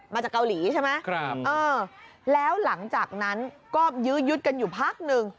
มาจากเกาหลีใช่ไหมครับเออแล้วหลังจากนั้นก็ยื้อยุดกันอยู่พักหนึ่ง